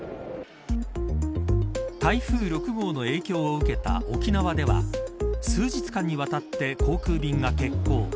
台風６号の影響を受けた沖縄では数日間にわたって航空便が欠航。